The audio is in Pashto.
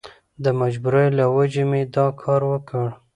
د مجبورۍ له وجهې مې دا کار وکړ.